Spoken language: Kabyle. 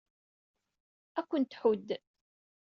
Ad ken-tḥudd.